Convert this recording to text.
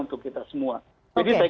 untuk kita semua jadi saya kira